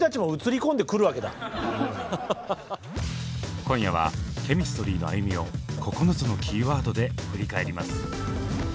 今夜はＣＨＥＭＩＳＴＲＹの歩みを９つのキーワードで振り返ります。